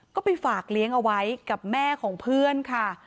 ก็ไปฝากเลี้ยงเอาไว้กับแม่ของเพื่อนค่ะ